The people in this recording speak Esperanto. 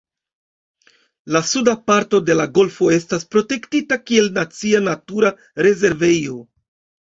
La suda parto de la golfo estas protektita kiel nacia natura rezervejo.